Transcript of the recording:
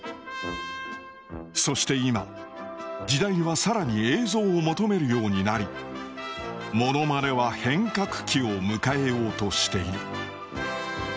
そして今時代は更に映像を求めるようになりモノマネは変革期を迎えようとしている。